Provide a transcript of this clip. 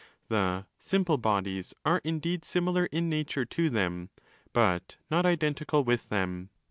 The 'simple' bodies are indeed similar in nature to them, but not. identical with them.